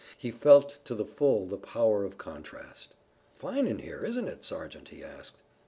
He felt to the full the power of contrast. "Fine in here, isn't it, Sergeant?" he said.